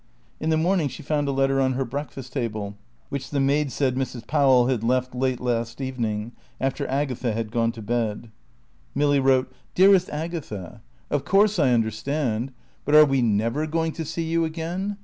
In the morning she found a letter on her breakfast table, which the maid said Mrs. Powell had left late last evening, after Agatha had gone to bed. Milly wrote: "Dearest Agatha, Of course I understand. But are we never going to see you again?